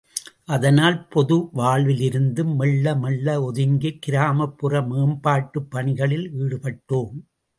அதனால் பொது வாழ்விலிருந்தும் மெள்ள மெள்ள ஒதுங்கிக் கிராமப்புற மேம்பாட்டு பணிகளில் ஈடுபட்டோம்.